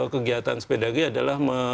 kegiatan sepedagi adalah